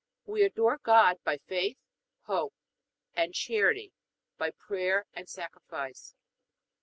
We adore God by faith, hope, and charity, by prayer and sacrifice.